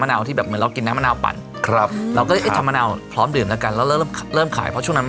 นี่ก็เป็นเป็นหนึ่งในการ